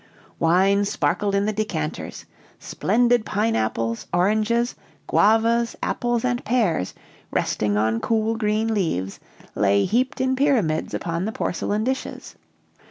Wine sparkled in the decanters, splendid pine apples, oranges, guavas, apples, and pears resting on cool green leaves, lay heaped in pyramids upon the porcelain dishes.